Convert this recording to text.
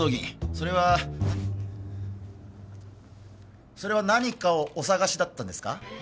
それはそれは何かをお探しだったんですか？